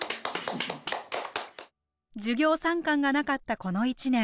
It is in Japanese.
授業参観がなかったこの１年。